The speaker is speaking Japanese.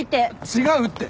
違うって！